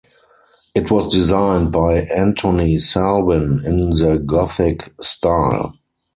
It was designed by Anthony Salvin in the Gothic style.